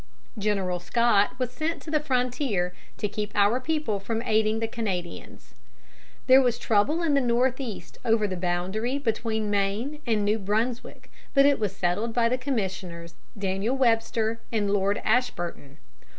General Scott was sent to the frontier to keep our people from aiding the Canadians. [Illustration: LORD ASHBURTON AND DANIEL WEBSTER.] There was trouble in the Northeast over the boundary between Maine and New Brunswick, but it was settled by the commissioners, Daniel Webster and Lord Ashburton.